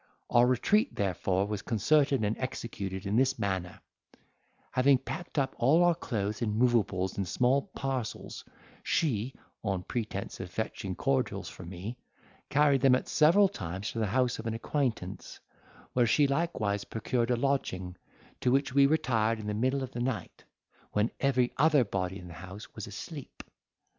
Our retreat, therefore, was concerted and executed in this manner: Having packed up all our clothes and moveables in small parcels, she (on pretence of fetching cordials for me) carried them at several times to the house of an acquaintance, where she likewise procured a lodging, to which we retired in the middle of the night, when every other body in the house was asleep.